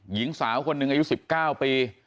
หญิงสาวคนหนึ่งอายุ๑๙ปี